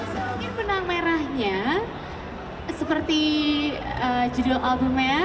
sebenarnya penang merahnya seperti judul albumnya